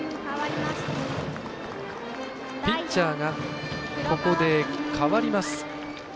ピッチャーがここで変わります。